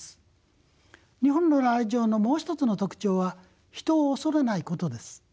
日本のライチョウのもう一つの特徴は人を恐れないことです。